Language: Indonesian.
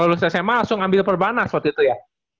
lulus sma langsung ambil perbanas waktu itu ya